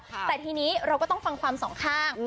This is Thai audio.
แต่ทีนี้เราก็ต้องฟังความสองข้าง